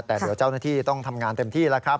แต่เดี๋ยวเจ้าหน้าที่ต้องทำงานเต็มที่แล้วครับ